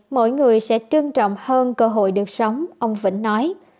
mỗi người sẽ trân trọng hơn cơ hội được sống ông vĩnh nói